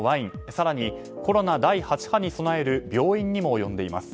更に、コロナ第８波に備える病院にも及んでいます。